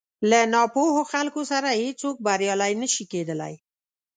له ناپوهو خلکو سره هېڅ څوک بريالی نه شي کېدلی.